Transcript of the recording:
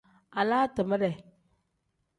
Alaa timere.